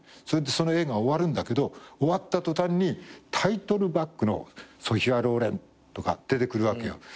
それでその映画終わるんだけど終わった途端にタイトルバックのソフィア・ローレンとか出てくるわけよ。